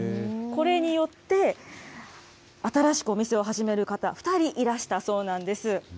これによって、新しくお店を始める方、２人いらしたそうなんです。